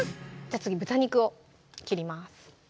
次豚肉を切ります